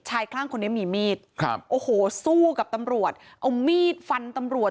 คลั่งคนนี้มีมีดครับโอ้โหสู้กับตำรวจเอามีดฟันตำรวจ